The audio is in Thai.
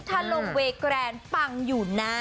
ถ้าลงเวแกรนปังอยู่นะ